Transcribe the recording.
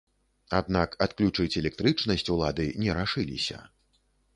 Аднак адключыць электрычнасць улады не рашыліся.